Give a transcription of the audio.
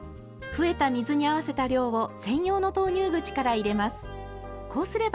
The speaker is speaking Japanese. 増えた水に合わせた量を専用の投入口から入れます。